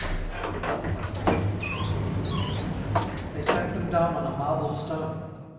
XII. They sate them down on a marble stone.